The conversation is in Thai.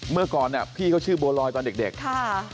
เมื่อก่อนเนี่ยพี่เขาชื่อบัวลอยตอนเด็กค่ะ